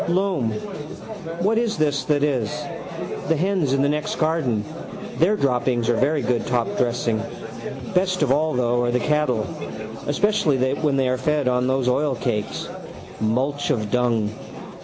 Loam, what is this that is? The hens in the next garden: their droppings are very good top dressing. Best of all though are the cattle, especially when they are fed on those oilcakes. Mulch of dung.